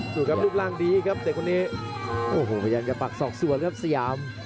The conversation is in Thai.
ดูครับรูปร่างดีครับเด็กคนนี้โอ้โหพยายามจะปักศอกส่วนครับสยาม